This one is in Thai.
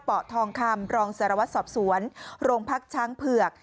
ทองคำรองสารวัตรสอบสวนโรงพักช้างเผือก